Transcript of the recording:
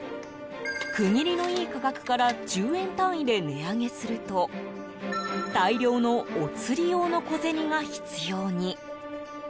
区切りのいい価格から１０円単位で値上げすると大量のお釣り用の小銭が必要に。